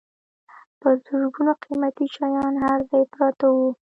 په زرګونو قیمتي شیان هر ځای پراته وو.